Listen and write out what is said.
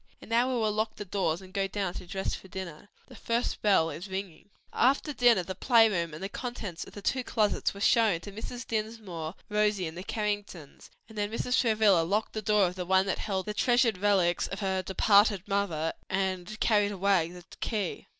And now we will lock the doors and go down to dress for dinner. The first bell is ringing." After dinner the play room and the contents of the two closets were shown to Mrs. Dinsmore, Rosie, and the Carringtons: then Mrs. Travilla locked the door of the one that held the treasured relics of her departed mother, and carried away the key.